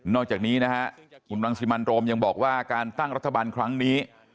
อกจากนี้นะฮะคุณรังสิมันโรมยังบอกว่าการตั้งรัฐบาลครั้งนี้